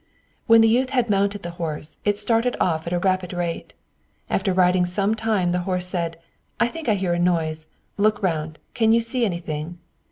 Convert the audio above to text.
When the youth had mounted the horse, it started off at a rapid rate. After riding some time, the horse said, "I think I hear a noise. Look round: can you see anything?"